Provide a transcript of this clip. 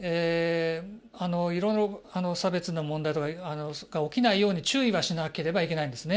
いろいろ差別の問題が起きないように注意はしなければいけないんですね。